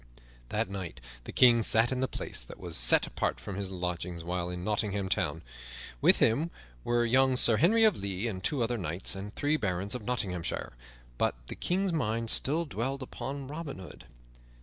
That night the King sat in the place that was set apart for his lodging while in Nottingham Town. With him were young Sir Henry of the Lea and two other knights and three barons of Nottinghamshire; but the King's mind still dwelled upon Robin Hood.